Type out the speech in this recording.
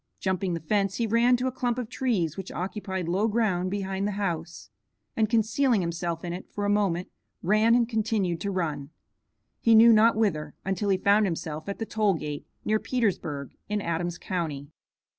Jumping the fence he ran to a clump of trees which occupied low ground behind the house and concealing himself in it for a moment, ran and continued to run, he knew not whither, until he found himself at the toll gate near Petersburg, in Adams county.